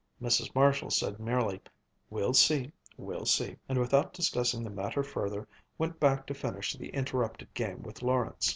Mrs. Marshall said merely, "We'll see, we'll see," and without discussing the matter further, went back to finish the interrupted game with Lawrence.